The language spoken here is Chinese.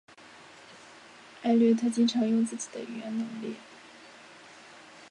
艾略特经常用自己的语言能力。